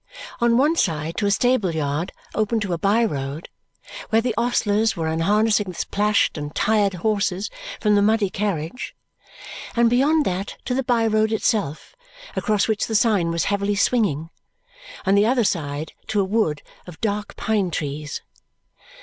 On one side to a stable yard open to a by road, where the ostlers were unharnessing the splashed and tired horses from the muddy carriage, and beyond that to the by road itself, across which the sign was heavily swinging; on the other side to a wood of dark pine trees.